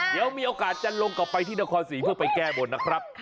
เดี๋ยวมีโอกาสจะลงกลับไปที่นครศรีเพื่อไปแก้บนนะครับ